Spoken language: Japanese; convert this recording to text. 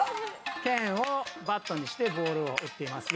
けんをバットにしてボールを打っています。